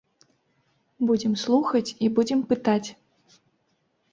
Будзем слухаць і будзем пытаць.